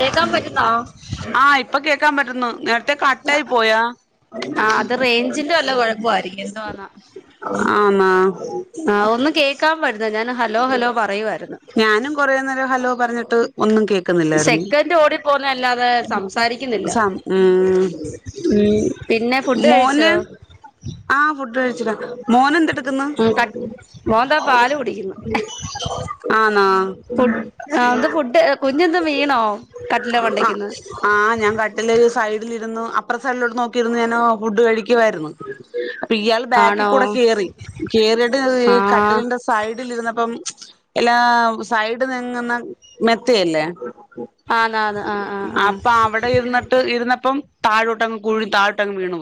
കേക്കാൻ പറ്റുന്നോ ആഹ ഇപ്പൊ കേക്കാൻ പറ്റുന്നു. നേരത്തെ കട്ടായി പോയ. ആ അത് റേഞ്ചിന്റെ വല്ല കൊഴപ്പയിരിക്കും. എന്തവാന്നാ ആന്നാ ആഹ ഒന്ന് കേക്കാൻ പറ്റുന്ന ഞാൻ ഹലോ ഹലോ പറയുവായിരുന്നു. ഞാനും കൊറേ നേരം ഹലോ പറഞ്ഞിട്ട് ഒന്നും കേക്കുന്നില്ലായിരുന്നു. സെക്കൻഡ് ഓടി പോന്ന അല്ലാതെ സംസാരിക്കുന്നില്ല സ ഉം ഉം പിന്നെ ഫുഡ് കഴിച്ചോ മോന് ആഹ ഫുഡ് കഴിച്ചിടാ മോന എട്ട ഉം ക മോൻതാ പാല് കുടിക്കുന്നു ആണാ ഫുഡ് ആഹ് എന്ത് ഫുഡ് കുഞ്ഞെന്ത് വീണോ കട്ടിലിന്റെ ആ മണ്ടയ്ക്ക്ന്ന് ആ ഞാൻ കട്ടിലരു സൈഡ രുന്നു. അപ്ര സൈഡിലോട്ട് നോക്കിയിര്ന്ന് ഞാന ഫുഡ് കഴിക്കായിരുന്നു. ഇപ്പൊ ഇയാൾ ബാക്കിൽ ആണോ കൂടെ കേറി. കേറിയിട്ട് ആഹ് കട്ടിലിന്റെ സൈഡിലിരുന്നപ്പം എല്ലാ സൈഡ് നെങ്ങുന്ന മെത്തയല്ലേ. ആന്നാന്ന് ആഹ് ആഹ് ആഹ് അപ്പൊ അവിടെ ഇരുന്നിട്ട്, ഇരുന്നപ്പം താഴോട്ടങ്ങു പൊയ് താഴോട്ടങ് വീണു.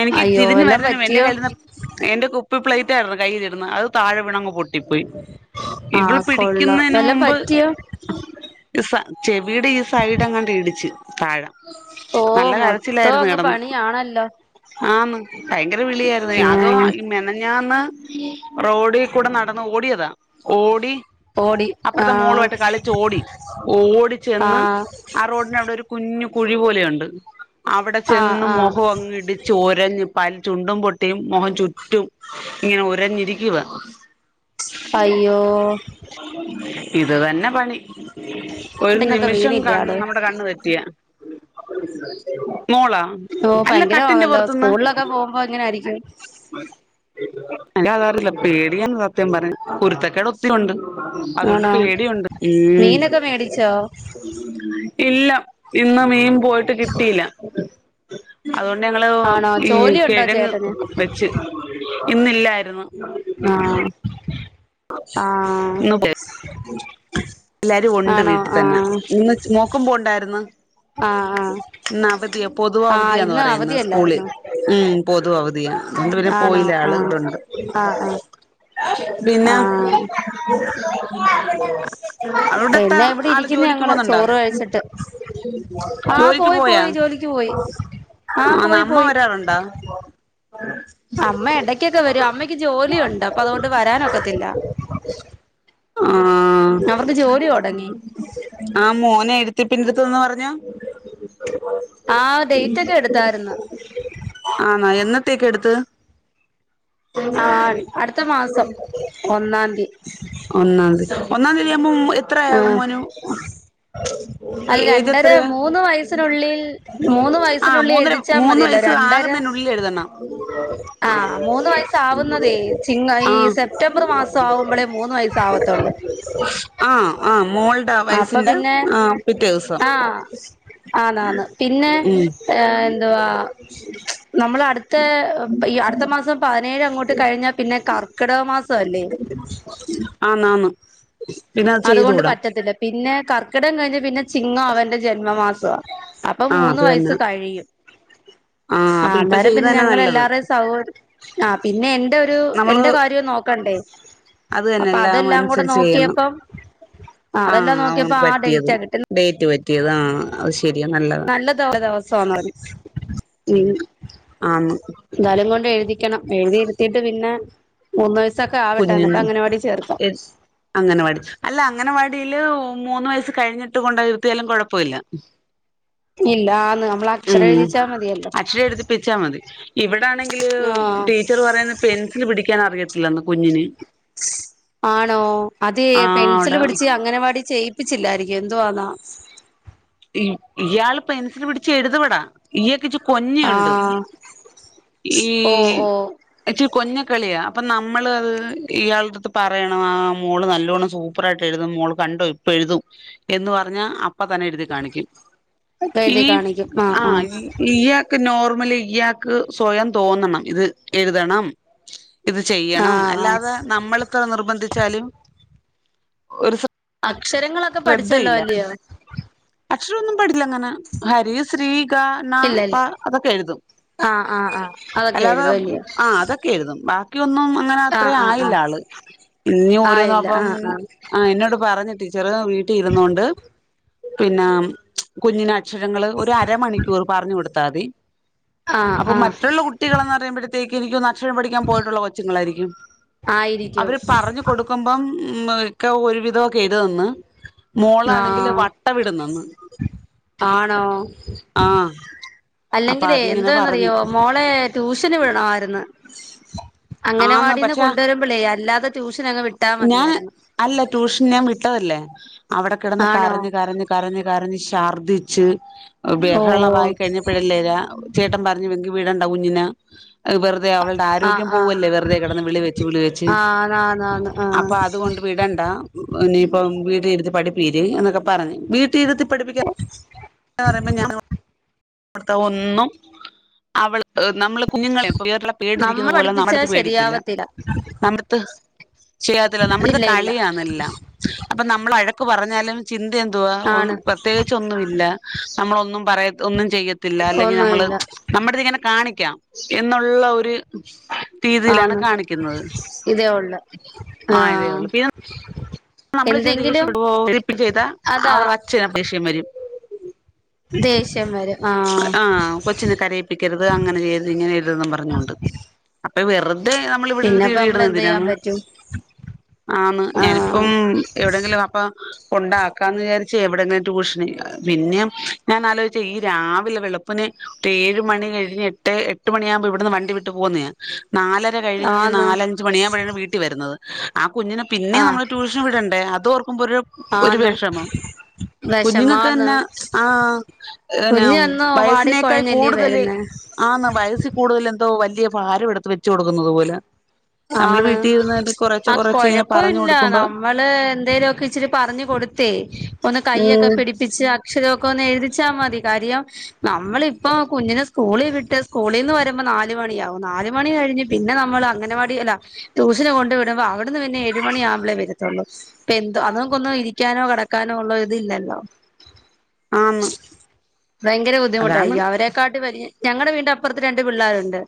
എനിക്ക് അയ്യോ തിരിഞ്ഞ് വല്ലോം വരുന്ന എന്റെ പറ്റിയോ കയ്യിൽ നിന്ന് എന്റെ ഇപ്പൊ പ്ലേറ്റ് ആയിരുന്നു കൈയ്യില ഇരുന്ന. അത് താഴെ വീണങ്ങ് പൊട്ടിപ്പോയി ഇവള് ആഹ് കൊള്ളാം പിടിക്കുന്നതിന് വല്ലോം മുമ്പ് പറ്റിയോ ഈ ചെവിയുടെ ഈ സൈഡ് അങ്ങട്ട ഇടിച്ച് താഴ ഓ മ കിടെന്നു. ആന്ന് ഭയങ്കര വിളിയ അതോ ആഹ് [unintelligible] ഞാന്ന് റോഡിൽ കൂടെ നടന്ന് ഓടിയതാ ഓടി ഓടി അപ്പുറത്തെ ആഹ് മോളുമായിട്ട് കളിച്ച് ഓടി. ഓടി ചെന്ന് ആഹ് ആ റോഡിന അവിടെ ഒരു കുഞ്ഞു കുഴി പോലെയുണ്ട് അവിടെ ആഹ് ചെന്ന് ആഹ് മുഖങ്ങിടിച്ചു ഒരഞ്ഞ് പൽ ചുണ്ടും പൊട്ടിയും മുഖം ചുറ്റും ഇങ്ങനെ ഉരഞ്ഞിരിക്കുവ. അയ്യോ ഇത് തന്നെ പണി ഒരു ന്നൊക്കെ നിമിഷം വീണില്ലേ കണ്ണ് ആള് നമ്മുടെ കണ്ണ് തെറ്റിയ മോളാ ഓ അല്ല കട്ടിന്റെ ഭയങ്കരമാണല്ലോ പുറത്തന്ന് സ്കൂളിലൊക്കെ പോകുമ്പോ ഇങ്ങനെ ആയിരിക്കും അ അതാറില്ല പേടിയാ സത്യം പറഞ്ഞാൽ കുരുത്തക്കേട ഒത്തിരിണ്ട് അതൊണ്ട് ആണോ പേടിയുണ്ട് ഉ മീനൊക്കെ മേടിച്ചോ ഇല്ല ഇന്ന് മീൻ പോയിട്ട് കിട്ടിയില്ല അതുകൊണ്ട് ഞങ്ങള് ആണോ ഈ ജോലിയുണ്ടോ കിഴങ്ങ് ചേട്ടന് വെച്ച് ഇന്നില്ലായിരുന്നു ആഹ് ആഹ് നബേ [unintelligible] എല്ലാരും ഉണ്ട് ആണോ വീട്ടിൽ തന്നെ ആഹ് ഇന്ന് നോക്കുമ്പോ ഉണ്ടായിരുന്നു ആഹ് ആഹ് അവധിയ പൊതുവ ആഹ് അവധിയാന്ന് ഇന്ന് പറയുന്നത് സ്കൂളിൽ അവധിയല്ലായിരുന്നോ ഉ പൊതു അവധിയ അതുകൊണ്ട് പിന്നെ ആണോ പോയില്ല ആള് ആഹ് ഇവട്ണ്ട് ആഹ് ആഹ് പിന്നെ ആഹ് അവിടത്തെ പിന്നെ ഇവിടെ ആള് ഇരിക്കുന്നു ജോലിക്ക് ഞങ്ങള് പോവുന്നുണ്ടോ ചോറ് കഴിച്ചിട്ട് ആഹ് ജോലിക്ക് പോയി പോയാ പോയി ജോലിക്ക് പോയി ആഹ് ആ പോയി നമ്മ പോയി ഒരാളുണ്ടോ അമ്മ ഇടക്കൊക്കെ വരും അമ്മയ്ക്ക് ജോലിയുണ്ട് അപ്പൊ അതുകൊണ്ട് വരാനൊക്കത്തില്ല ആഹ അവർക്ക് ജോലി തുടങ്ങി ആ മോനെ എടു പിന്നെടുത്ത്ന്നന്ന് പറഞ്ഞോ ആഹ ഡേറ്റ് ഒക്കെ എടുത്തായിര്ന്ന് എന്നത്തേക്കാ എടുത്ത് ആ അടുത്ത മാസം ഒന്നാം തീയതി ഒന്നാംതി ഒന്നാംതിയാവുമ്പോ ആ എത്രയാഉംമോനും അല്ല എയ്ജ് രണ്ടര എത്ര യാ മൂന്ന് വയസ്സിനുള്ളിൽ മൂന്ന് ആ വയസ്സിനുള്ളിൽ മൂന്നര എഴുതിച്ചാ മൂന്ന് വയ മതിയല്ലോ രണ്ടര ആകുന്നന്നെ ഉള്ളിൽ എഴുതണം ആ മൂന്ന് വയസ്സാവുന്നതേ ചിങ്ങ ഈ ആഹ് സെപ്റ്റംബർ മാസാകുമ്പളെ മൂന്നു വയസ്സ് ആഹ് ആ മോളുടെ അപ്പൊ വയസ്സിന്റെ പിന്നെ ആ പിറ്റേ ദിവസം ആഹ് ആന്നാന്ന് പിന്നെ ഉം ഏ എന്തുവാ നമ്മളടുത്ത് തേ ഈ അടുത്ത മാസം പതിനേഴങ്ങോട്ട് കഴിഞ്ഞാൽ പിന്നെ കർക്കിടകം ആന്നാന്ന് പിന്നെ അത് അതുകൊണ്ട് ചെയ്തുകൂടാ പറ്റത്തില്ല പിന്നെ കർക്കിടകം കഴിഞ്ഞ് പിന്നെ ചിങ്ങം അവന്റെ ജന്മമാസ അപ്പൊ ആ മൂന്ന് അത് തന്നെ വയസ്സ് കഴിയും ആ അപ്പൊ ഇപ്പൊ അന്നേരം ചെയ്ത് പിന്നെ തന്നെ ഞങ്ങൾ നല്ലത് എല്ലാരേം സൗഹൃ ആ പിന്നെ എന്റെ ഒരു നമ്മള് എന്റെ കാര്യം നോക്കണ്ടേ അത് അപ്പ അതെല്ലാം കൂടെ നോക്കിയപ്പം അതെല്ലാം ആഹ് നോക്കിയപ്പോ ആ പറ്റിയത് ഡേറ്റാ കിട്ടി ഡേറ്റ് പറ്റിയത് ആഹ് ശ് നല്ലദിവസാ ന്നത് ആന്ന് എന്നാലും കൊണ്ട് എഴുതി ക്കണം എഴുതിയിരുത്തിട്ട് പിന്നെ മൂന്നു വയസ് കുഞ്ഞ് അംഗനവാടി അല്ല അംഗനവാടി ല് മൂന്ന് വയസ്സ് കഴിഞ്ഞിട്ട് കൊണ്ട് ഇരു ത്തിയാലും കൊഴപ്പില്ല ഇല്ലാർ ഉം അക്ഷരം എഴുതിപ്പിച്ചാൽ മതി ഇവിടാണെങ്കില് ആഹ് ടീച്ചർ പറയുന്ന പെൻസിൽ പിടിക്കാൻ അറിയത്തില്ലെന്ന് കുഞ്ഞിന് ആണോ അതെ ആ പെൻസില് അവിടെ പിടിച്ച് അംഗനവാടി ചെയ്യിപ്പിച്ചില്ലായിരിക്കും എന്തുവാന്ന ഇയാള് പെൻസിന് പിടിച്ച് എഴുതുവടാ കുറച്ച് കൊഞ് ഉണ്ട് ആഹ് ഈ ഓ ഓ കളിയ അപ്പ നമ്മൾ അത് ഇയാളുടെ എടുത്തു പറയണം ആ മോള് നല്ലോണ്ണം സൂപ്പറായിട്ട് എഴുതും മോൾ ക ണ്ടോ ഇപ്പൊ എഴുതും എന്ന് പറഞ്ഞ അപ്പ തന്നെ എഴു കാണിക്കും ഈ എഴുതി കാണിക്കും ആഹ് ആ ആഹ് ഇയാക്കു നോ ഞമ്മളിയാക്ക് സ്വയം തോന്നണം ഇത് എഴുതണം ഇത് ചെയ്യണം ആഹ് ആഹ് അല്ലാതെ നമ്മൾത്ര നിർബന്ധിച്ചാലും ഒരു അക്ഷരങ്ങളൊക്കെ പഠിച്ചല്ലോ അല്ലയോ അക്ഷരൊന്നും പടില്ല അങ്ങനെ ഹരി ശ്രീ ഗ ന ഇല്ല പ ഇല്ല അതൊക്കെ എഴുതും ആഹ് ആഹ് ആഹ് അതൊക്കെ അല്ലാതെ എഴുതും അല്ലയോ ആ അതൊക്കെ എഴുതും ബാ ഒന്നും അങ്ങനെ അത്ര ആഹ് ആഹ് ആയില്ല ആഹ് ആള് ഇനും ആഹ് ഓരോന്നും ഇല്ല അപ്പം ആഹ് ആഹ് ആ എന്നോട് പറഞ്ഞിട്ടി ചെറുത് വീട്ടീ ഇരുന്നോണ്ട് പിന്നെ കുഞ്ഞിന അക്ഷരങ്ങൾ ഒരു അരമണിക്കൂർ പറഞ്ഞു കൊടുത്താതി ആഹ് അപ്പൊ ആഹ് മറ്റുള്ള കുട്ടികൾന്ന് പറയുമ്പോഴത്തേക്ക്‌ എനക്ക് പഠിക്കാൻ പോയിട്ടുള്ള കൊച്ചുങ്ങളായിരിക്കും ആയിരിക്കും അവര് പറഞ്ഞു കൊടുക്കുമ്പം മക്ക ഒരു വിധൊക്കെ എരുതുന്നു മോളാണെങ്കില് ആഹ് വട്ട വിടുന്നന്ന് ആണോ അപ്പൊ അല്ലെങ്കിലേ അതിങ്ങനെ പറഞ്ഞ് എന്തോെന്നറിയോ മോളെ ട്യൂഷന് വിടണമായിരുന്നു ആന്ന് അങ്ങനവാടിന്ന് പക്ഷെ കൊണ്ടുവരുമ്പളേ അല്ലാതെ ട്യൂഷൻ അങ്ങ് വിട്ടാ ഞാൻ മതിയായിരുന്നു അല്ല ട്യൂഷൻ ഞാൻ വിട്ടതല്ല അവിടെ കിടന്ന് ആണോ കരഞ്ഞു കരഞ്ഞ് കരഞ്ഞ് കരഞ്ഞി ഛർദിച്ച് ഓ ബെഹളവായി കഴിഞ്ഞപ്പഴല്ലേ രാചേട്ടൻ പറഞ്ഞു വെങ്കി വീട്ണ്ടാവ കുഞ്ഞിന വെറുതെ അവളുടെ ആ ആരോഗ്യം ആ പോവല്ലേ വെറുതെ കിടന്ന് വിളി വെച്ച് വിളി വെച്ച് ആ ആന്നാന്ന് ആ അപ്പൊ അതുകൊണ്ട് വിടണ്ട ഇനിയിപ്പോ വീട്ടി ഇരുത്ത് പഠപ്പീര് എന്നൊക്കെ പറഞ് വീട്ട് കുട്ടിയിരുത്തിപ്പഠിപ്പിക്കാൻ ന്ന് പറയുമ്പോ ഞാൻ അവിടുത്തെ ഒന്നും അവ്ട നമ്മള് കുഞ്ഞുങ്ങളെ ഇപ്പ പേടുല പേടിച്ചിരിക്കുന്ന നമ്മൾ പോലെ പഠിപ്പിച്ചാ നമ്മടത്ത് പേടിത്തില്ല ശരിയാവത്തില്ല നമ്മടുത്തെ ചെയ്യാത്തില്ല നമ്മുടെത്തെ ഇല്ല ഇല്ല കളിയാന്നല്ല അപ്പൊ നമ്മൾ വഴക്ക് പറഞ്ഞാലും ചിന്ത എന്തുവാ ആണ് പ്രത്യേകിച്ച് ഒന്നുല്ല നമ്മള് ഒന്നും പറ ഒന്നും ചെയ്യത്തില്ല അല്ലെങ്കിൽ നമ്മള് ഒന്നുമില്ല നമ്മുടെ ഇത്ങ്ങനെ കാണിക്കാം എന്നുള്ള ഒര് രീതിയിലാണ് കാണിക്കുന്നത്. ആ ഇതേ ആഹ് ഉള്ളൂ പിന്നെ നമ്മള് ചെയ്ത ദേഷ്യപ്പെടു ചെയ്ത അതാ അവരുടെ അച്ഛനാ ദേഷ്യം വരും. ദേഷ്യം വര ആഹ് കൊച്ചിനെ കരയിപ്പിക്കരുത്. അങ്ങനെ ചെയ്യരുത്. ഇങ്ങനെ ചെയ്യരുതെന്നും പറഞ്ഞൊണ്ട് വെറുതെ നമ്മൾ ഇവിടെ തീ പിന്നെപ്പ നമ്മൾ എന്ത് ചെയ്യാൻ ഇടുന്നന്തിനാണ്. പറ്റും ആന്ന് ആ ഞാനിപ്പം എവിടെങ്കിലും അപ്പൊ കോണ്ടാക്കാന്ന് വിചാരിച്ച എവിടെങ്കനും ട്യൂഷൻഇല്ല പിന്നെയും ഞാൻ ആലോചിച്ച് ഈ രാവിലെ വെളുപ്പിന് ഏഴ് മണി കഴിഞ്ഞ് എട്ട് എട്ട് മണിയാവുമ്പോ ഇവിടുന്ന് വണ്ടി വിട്ടു പോകുന്നയാ നാലര കഴിഞ്ഞ് ആന്ന് നാലഞ്ച് മണിയാവുമ്പഴാണ് വീട്ടിൽ വരുന്നത്. ആ കുഞ്ഞിനെ ആ പിന്നേം നമ്മള് ട്യൂഷന് വിടണ്ടേ. അതോർക്കുമ്പോ ഒരു ഒരു ആന്ന് വെഷമം. കുഞ്ഞുങ്ങക്ക് വിഷമാന്ന് എന്നെ ആഹ് പിന്നെ കുഞ്ഞ് അന്ന് വാടി വയസ്സിനേക്കായി കൊഴഞ്ഞല്ലേ കൂടുതല് വരുന്നേ ആന്ന് വയസ്സിക്കൂടുതൽ എന്തോ വലിയ ഭാരം എടുത്ത് വെച്ചു കൊടുക്കുന്നത് പോലെ നമ്മള് ആണ് വീട്ടിൽ ഇരുന്ന് കൊറേച്ചെ ആ കൊറേച്ചെ ഇങ്ങനെ കൊഴപ്പ പറഞ്ഞു ഇല്ല കൊടുക്കുമ്പോ നമ്മള് എന്തേലുമൊക്കെ ഇച്ചിരി പറഞ്ഞു കൊടു ഇവിടെത്തെ ഒന്ന് കയ്യൊക്കെ ഉം പിടിപ്പിച്ച് അ അക്ഷരമൊക്കെ ഒന്ന് എഴുതിച്ചാ മതി കാര്യം നമ്മളിപ്പോ കുഞ്ഞിനെ സ്കൂളിൽ വിട്ട് സ്കൂളിൽന്ന് വരുമ്പ നാല് മണിയാകും നാല് മണി കഴിഞ്ഞ് പിന്നെ നമ്മൾ അംഗനവാടി ടി അല്ല ട്യൂഷന് കൊണ്ട് വിടുമ്പോ അവിന്ന് പിന്നെ ഏഴ് മണി ആമ്പളേ വരത്തുള്ളൂ. പ്പെന്താ അതാകുമ്പോ ഒന്ന് ഇരിക്കാൻ കാനോ കിടക്കാനോ ഉള്ളൊരിത് ഇല്ലല്ലോ. ആന്ന് ഭയങ്കര ബുദ്ധിമുട്ടായി. അതാണ് അവരെക്കാട്ടി വലി ഞങ്ങടെ വീടിന്റെ അപ്പറത്ത് രണ്ട് പിള്ളേരുണ്ട്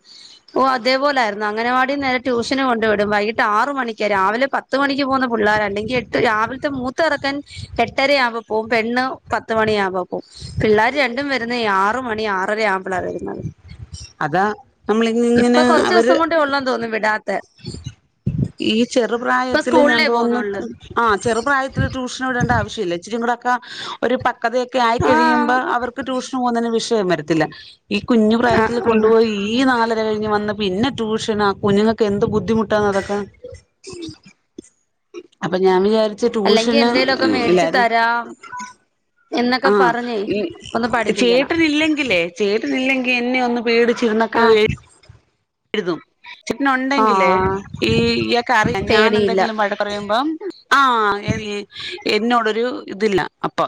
ഓ അതേപോലൊയിരുന്നു അങ്ങനവാടി നേ ട്യൂഷന് കൊണ്ട് വിടും. വൈകിട്ട് ആറ മണിക്ക് രാവിലെ പത്ത് മണിക്ക് പോകുന്ന പുള്ളേർ അല്ലെങ്കിൽ എട്ട് രാവിലത്തെ മൂത്തചെറുക്ക ചെക്കൻ എട്ടരയാവുമ്പോ പോകും പെണ്ണ് പത്ത് മണിയാവുമ്പോ പോവും പിള്ളേര് രണ്ടും വരുന്ന ആറ് മണി ആറര ആവുമ്പോളാണ് വരുന്നത്. അതാ ഇപ്പൊ നമ്മളിങ്ങനെ കൊറച്ച് അവര് ദിവസം കൊണ്ട ഉള്ളന്ന് തോന്നുന്നു വിടാത്ത ഈ ചെറുപ്രായത്തില് ഞങൾക് പോകുന്നുള്ളു തോന്നുന്നു ആ ചെറു പ്രായത്തില് ട്യൂഷൻ വിടേണ്ട ആവശ്യല്ല ഇച്ചിരിങുടെ ഒരു പക്കതയൊക്കെ ആഹ് ആയിക്കഴിയുമ്പോ അവർക്ക് ട്യൂഷൻ പോകുന്നതിന് വിഷയം വരത്തില്ല. ഈ കുഞ്ഞു പ്രായത്തില് ആഹ് ആഹ് കൊണ്ടുപോയി ഈ നാലര കഴിഞ്ഞ് വന്ന് പിന്നെ ട്യൂഷന. കുഞ്ഞുങ്ങൾക്ക് എന്ത് ബുദ്ധിമുട്ടാന്ന് നടക്കാൻ. അപ്പൊ ഞാൻ വിചാരിച്ച അല്ലെങ്കി ട്യൂഷന് എന്തേലുവൊക്കെ മേടിച്ച് എല്ലാരും തരാം എന്നൊക്കെ ആ പറഞ്ഞേ ഒന്ന് പഠിപ്പിക്കണം ചേട്ടനില്ലെങ്കിലേ ചേട്ടനില്ലെങ്കിൽ എന്നെ ഒന്ന് പേടിച്ചിരുന്നൊക്കെ ആഹ് എഴുതും. ചേട്ടന് ഉണ്ടെങ്കിലേ ആഹ് ഈ ഇയാൾക് അറിയ ഞാൻ പേടിയില്ല എന്തെങ്കിലും വഴക്കറിയുമ്പം ആ എന്നോടൊരു ഇതില്ല അപ്പൊ.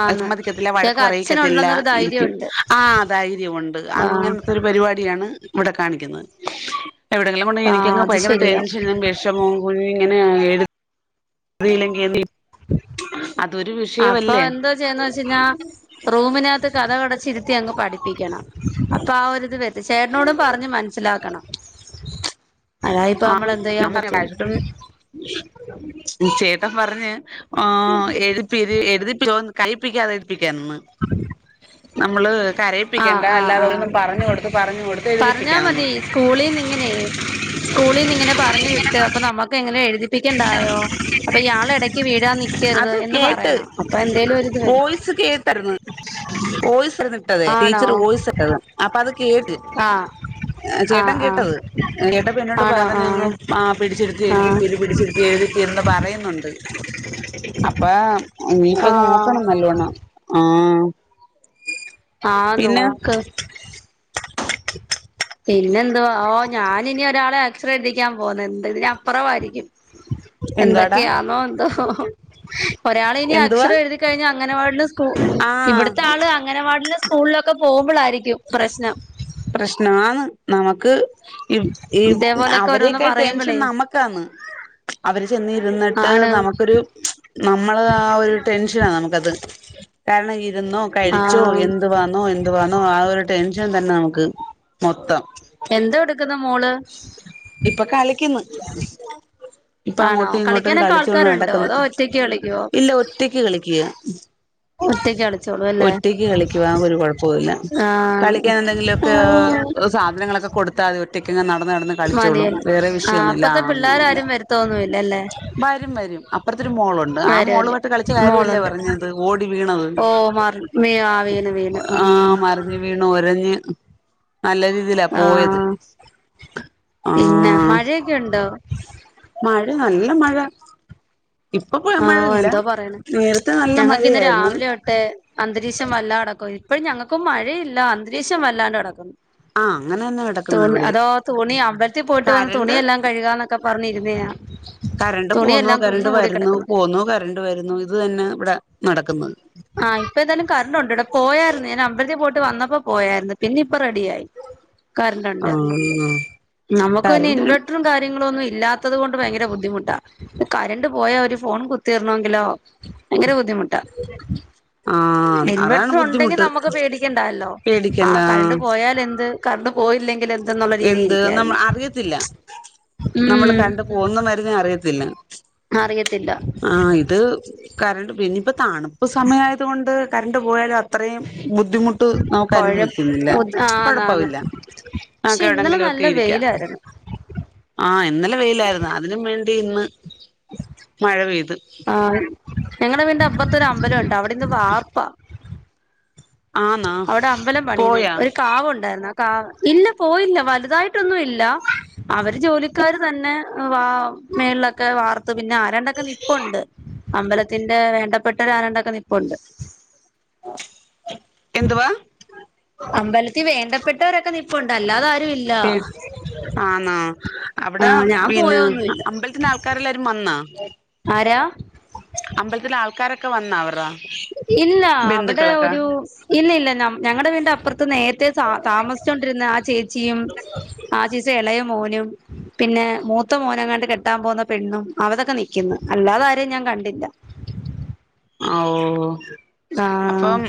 ആന്ന് സമ്മതിക്കത്തില്ല. വഴക്ക് ഇയാക്ക് പറയിക്കത്തില്ല അച്ഛനുണ്ടെന്നൊരു ഇരിക്കും. ധൈര്യമുണ്ട് ആ ധൈര്യമുണ്ട് ആഹ് അങ്ങനത്തെ ഒരു പരിപാടിയാണ് ഇവിടെ കാണിക്കുന്നത്. എവിടെങ്കിലും കൊണ്ടായ ആഹ് എനിക്കങ്ങ് അത് ഭയങ്കര ശരിയാ ടെൻഷനും വിഷമവും കൂടി എങ്ങനെ [inaudible] അപ്പൊ എന്താ ചെയ്യന്ന് വെച്ച് കഴിഞ്ഞാ റൂമിനകത്ത് കഥകടച്ചിരുത്തി അങ്ങ് പഠിപ്പിക്കണം. അപ്പൊ ആ ഒരുരിത് വ ചേട്ടനോടും പറഞ്ഞ് മനസ്സിലാക്കണം. അതാ ഇപ്പൊ നമ്മൾ ആണ് എന്ത് ഞാൻ ചെയ്യാൻ പറയാ പറ്റും കഴച്ചിട്ടന്ന് ചേട്ടൻ പറഞ്ഞ് എപ്പി ഇ എഴതിപ്പിക്ക കഴപ്പിക്കാതെ എപ്പിക്ക എന്ന് നമ്മൾ ആഹ് കരയിപ്പിക്കേണ്ട ആഹ് ആഹ് അല്ലാതുകൊന്നും പറഞ്ഞു കൊടുത്ത് പറഞ്ഞു കൊടുത്ത് എഴുതിപ്പിക്കാനന്ന് സ്കൂളിൽ നിന്ന് ഇങ്ങനെ പറഞ്ഞു വിട്ട് അപ്പൊ നമ്മുക്ക് എങ്ങനെ എഴുതിപ്പിക്കണ്ടായോ അപ്പൊ ഇയാള ഇട വീടാ [unintelligible] അത് കേട്ട് ഒരിത് വരും വോയിസ്‌ കേട്ടരുന്നു വോയിസ് ട്ട ആണോ ടീച്ചർ വോയിസ് ഇട്ടത് അപ്പ അത് കേട്ട് ആഹ് ചേട്ടൻ ആഹ് ആഹ് കേട്ടത് ചഏട്ടാപ്പ എന്നോട് ആണോ ആഹ് പറഞ്ഞഞ്ന്ന് ആ പിടിച്ചെടുത്ത് ആഹ് എഴുതിപ്പല് പിടിച്ചെടുത്തി എഴുതി എന്ന് പറയുന്നുണ്ട് അപ്പ ഇനിപ്പോ ആഹ് നോക്കണം നല്ലോണ്ണം ആ ആഹ പിന്നെ നോക്ക് പിന്നെ എന്തുവാ ഓ ഞാന ഇനി ഒരാളെ അക്ഷരം പഠിപ്പിക്കാൻ പോന്ന എന്ത് ഇ അപ്പുറവായിരിക്കും എന്തുവാടാ എന്തൊക്കെയാണോ എന്തോ ഒരാൾ ഇനി എന്തുവാ അക്ഷരംഴുതി കഴിഞ്ഞഞ് അങ്ങനവാടിന് സ്കൂ ആ ഇവിടത്തെ ആള് അങ്ങനവാടിന് സ്കൂളിലൊക്കെ പോകുമ്പോളായിരിക്കും പ്രശ്നം പ്രശ്നാണ് നമുക്ക് ഈ ഈ ഇതേപോലൊക്കെ ഓരോന്ന് അവരൊക്കെ ടെൻഷൻ പറയുമ്പളേ നമുക്കന്ന് അവർ ചെന്നിരുന്നിട്ട് ആണ് നമുക്കൊരു നമ്മള് ആ ഒരു ടെൻഷ നമുത് കാരണം ഇുന്നോ കഴിച്ചോ ആഹ് എന്ത് വന്നോ എന്ത് വോ ആ ടെൻഷൻ തന്നെ നമുക്ക് മൊത്തം എന്താ എടുക്കുന്ന മോള് ഇപ്പൊ കളിക്കുന്നു ഇപ്പ ആണോ അങ്ങോട്ടും ഇങ്ങോട്ടും കളിക്കാനൊക്കെ കളിച്ചൊും ആൾക്കാരുണ്ടോ നടക്കുന്നു അതോ ഒറ്റക്ക് കളിക്കുവോ ഇല്ല ഒറ്റക്ക് കളിക്കുക ഒറ്റക്കോ ഒറ്റക്ക് കളിക്കവാൻ ഒരു കുഴപ്പവില്ല ആഹ് കളിക്കാൻ എന്തെങ്കിലുമൊക്കെ സാധനങ്ങളൊക്കെ കൊടുത്താ നടന്ന് നടന്നു കളിച്ചോളും മതിയല്ലോ വേറെ വിഷയം ആഹ് ഒന്നുംല്ല അപ്പറത്തെ പിള്ളേരാരും വരുത്തൊന്നുല്ലല്ലേ അങ്ങനന്നരരും അ ഒരു മോളുണ്ട് ആ മോള് വരൂല്ല പട്ട് കളിച്ച കാര്യമല്ലേ മോളുണ്ട് പറഞ്ഞത് ഓടി വീണത് ഓ മറി വീ ആ വീണ് വീണ് ആ ആഹ് മറിഞ്ഞ് വീണു ഒരഞ്ഞ് നല്ല രീതിയിലാ പോയത് ആഹ് ആ പിന്നെ മഴയൊക്കെ ഉണ്ടോ മഴ നല്ല മഴ ഇപ്പൊ പോ ആ മഴയില്ല എന്തോ പറയണ നേരത്തെ നല്ല ഞങ്ങൾക്ക്ന്ന് മഴയായിരുന്നു രാവിലെ തോട്ടെ അന്തരീക്ഷം വല്ല അടക്ക ഇപ്പോഴ ഞങ്ങൾക്ക് മഴയില്ല അന്തരീക്ഷം വല്ലാണ്ട് നടക്കുന്നു ആ അങ്ങനെ തന്നെ കിടക്കുന്നു തുണി ഇവിടെ അതോ തുണി അവിടത്തി പോയിട്ട് വന്ന് കരണ്ട് തുണിയെല്ലാം കഴുകാന്നൊക്കെ പറഞ്ഞിരുന്നയ കരണ്ട് പോന്നോ കരണ്ട് വരുന്നു പോന്നോ കരണ്ട് വരുന്നു ഇത് തന്നെ ഇവിടെ നടക്കുന്നത് ആഹ് ഇപ്പൊ ഏതായാലും കറണ്ട് ഉണ്ട് ഇവിടെ പോയായിരുന്നു ഞാൻ അമ്പലത്തിൽ പോയിട്ട് വന്നപ്പോ പോയായിരുന്നു പിന്ന റെഡ ആയി ക ഉണ്ട് ആഹ് നമുക്ക് പിന്നെ കരണ്ടിന് ഇൻവേർട്ടറും കാര്യങ്ങളും ഒന്നും ഇല്ലാത്തത് കൊണ്ട് ഭയങ്കര ബുദ്ധിമുട്ടാ കറണ്ട് പോയാ അവ ഒരു ഫോൺ കുത്തിരണമെങ്കിലോ ഭയങ്കര ബദ്ധിമുട്ടാ ആഹ് അതാണ് ഇൻവെർട്ടർ ഉണ്ടെങ്കി ബുദ്ധിമുട്ട് നമുക്ക് പേടിക്കണ്ടല്ലോ ആ പേടിക്കണ്ട കറണ്ട് പോയാല എന്ത് കറണ്ട് പോയില്ലെങ്കിൽ എന്തെന്നുള്ള രീതിയിൽ എന്ത് നമ്മൾ ഇരിക്കായിരുന്നു അറിയത്തില്ല നമ്മൾ ഉം കണ്ടു പോകുന്ന മരുന്ന അറിയത്തില്ല അറിയത്തില്ല ആ ഇത് കറണ്ട് പിന്നെയിപ്പ തണുപ്പ് സമയയത കൊണ്ട് കറണ്ട് പോയാല അത്രയും ബുദ്ധിമുട്ട് നമുക്ക് കൊഴ അനുഭവിക്കുന്നില്ല ആന്നാന്ന് കൊഴപ്പവില്ല പക്ഷെ ആക്കെ ഇന്നലെ എവിടെങ്കിലും ഒക്കെ നല്ല ഇരിക്കാം വെയിലായിരുന്നു ആ ഇന്നലെ വെയിലായിരുന്നു അതിനും വേണ്ടി ഇന്ന് മഴ ത് ആഹ് ഞങ്ങടെ വീടിന്റെ അപ്പുറത്തൊരു അമ്പലം ഉണ്ട് അവിടെ ഇന്ന് വാർപ്പാ അവിടെ അമ്പലം പണീന്ന് പോയാ ഒരു കാവ ഉണ്ടായിരുന്ന ഇല്ല പോയില്ല വലുതായിട്ടൊന്നും ഇല്ല. അവര് ജോലിക്കാര് തന്നെ വ മേളിലൊക്കെ വാർത്ത് പിന്നെ ആരെണ്ടൊക്കെ നിപ്പുണ്ട്. അമ്പലത്തിന്റെ വേണ്ടപ്പെട്ടവര് ആരാണ്ടൊക്കെ നിപ്പുണ്ട്. എന്തുവാ? അമ്പലത്തിൽ വേണ്ടപ്പെട്ടവരൊക്കെ നിപ്പുണ്ട് അല്ലാതെ ആരും ഇല്ല ആന്നോ ആ അവിടെ ഞാൻ പിന്നെ പോയൊന്നുമില്ല അമ്പലത്തിന്റെ ആൾക്കാരെല്ലാരും വന്ന ആരാ അമ്പലത്തില ആൾക്കാരൊക്കെ വന്നാ അവറാ? ഇല്ല അവിടെ ഒരു ഇല്ല ഇല്ല ഞ ഞങ്ങളടെ വീടിൻ്റെ അപ്പുറത്ത് നേരത്തെ താമസിച്ചൊണ്ടിരുന്ന ആ ചേച്ചിയും ആ ചേച്ചി ഇളയും മോനും പിന്നെ മൂത്ത മോനങ്ങാണ്ട് കെട്ടാൻ പോകുന്ന പെണ്ണും അവതൊക്കെ നിൽക്കുന്നു അല്ലാതെ ആരേം കണ്ടില്ല. ഓ ആഹ് അപ്പം